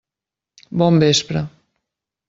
Bon vespre.